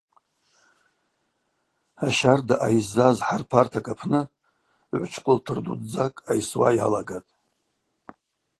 Ащарда ъайззаз хӏарпартакӏ апны гӏвчкъвылтырдудздзакӏ айсуа йалагатӏ.